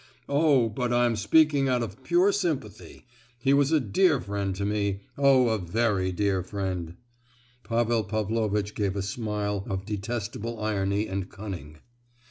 "Oh, but I'm speaking out of pure sympathy—he was a dear friend to me! oh a very dear friend!" Pavel Pavlovitch gave a smile of detestable irony and cunning.